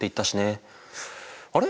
あれ？